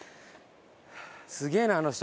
すげえなあの人。